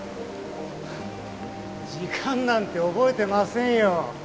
時間なんて覚えてませんよ。